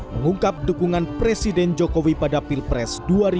mengungkap dukungan presiden jokowi pada pilpres dua ribu dua puluh